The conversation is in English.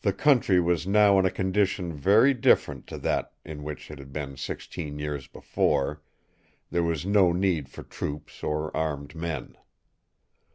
The country was now in a condition very different to that in which it had been sixteen years before; there was no need for troops or armed men.